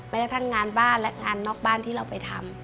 กระทั่งงานบ้านและงานนอกบ้านที่เราไปทำ